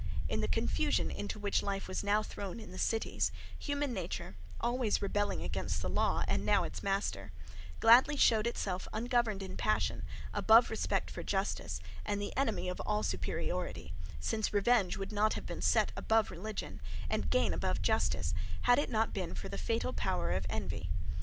In the confusion into which life was now thrown in the cities, human nature, always rebelling against the law and now its master, gladly showed itself ungoverned in passion, above respect for justice, and the enemy of all superiority; since revenge would not have been set above religion, and gain above justice, had it not been for the fatal power of envy.